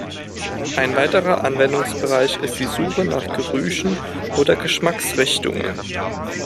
Ein weiterer Anwendungsbereich ist die Suche nach "Gerüchen" oder "Geschmacksrichtungen".